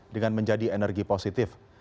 dengan menjadi energi positif